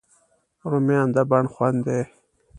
رومیان د بڼ خوند دي